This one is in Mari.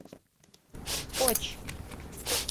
Коч.